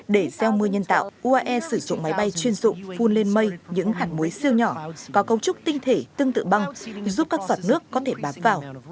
để gieo mưa nhân tạo uae sử dụng máy bay chuyên dụng phun lên mây những hạt muối siêu nhỏ có cấu trúc tinh thể tương tự băng giúp các giọt nước có thể bám vào